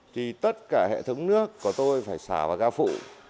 thì tất cả hệ thống nước của tôi phải xả vào ra phụ